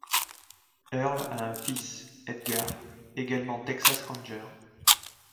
Earl a un fils, Edgar, également Texas Ranger.